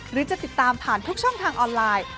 หรือจะติดตามผ่านทุกช่องทางออนไลน์